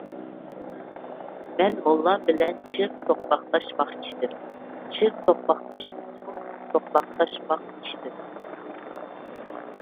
مەن موللام بىلەن چىغ توقماقداشماقچىدىم، چىغ توقماقداشمىسىمۇ توقماقداشماقچىدىم.